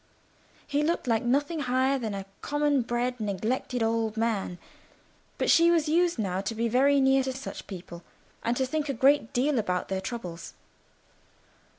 He looked like nothing higher than a common bred, neglected old man; but she was used now to be very near to such people, and to think a great deal about their troubles.